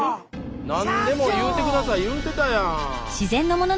何でも言うてください言うてたやん。